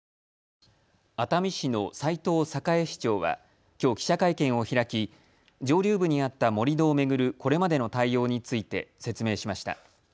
熱海市の斉藤栄市長はきょう記者会見を開き上流部にあった盛り土を巡るこれまでの対応について説明しました。